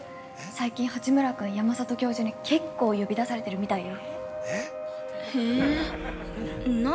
最近八村君、山里教授に結構呼び出されてるみたいよ。